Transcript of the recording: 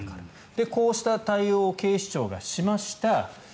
で、こうした対応を警視庁がしました。